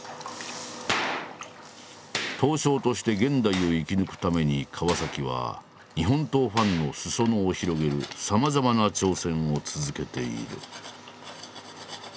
刀匠として現代を生き抜くために川は日本刀ファンの裾野を広げるさまざまな挑戦を続けている。